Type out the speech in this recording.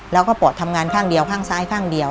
แล้วก็ปอดทำงานข้างเดียวข้างซ้ายข้างเดียว